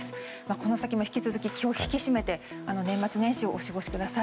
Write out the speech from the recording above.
この先も引き続き気を引き締めて年末年始をお過ごしください。